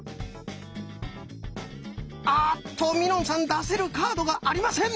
あっとみのんさん出せるカードがありません！